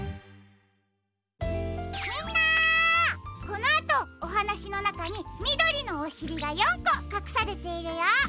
このあとおはなしのなかにみどりのおしりが４こかくされているよ。